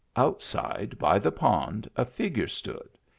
Outside by the pond a figure stood.